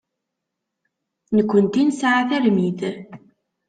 Nekkenti nesɛa tarmit.